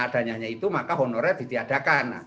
hanya hanya itu maka honorer didiadakan